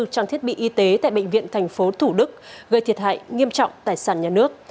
trong thiết bị y tế tại bệnh viện thành phố thủ đức gây thiệt hại nghiêm trọng tài sản nhà nước